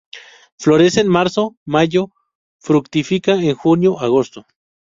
Florece en marzo-mayo, fructifica en junio-agosto.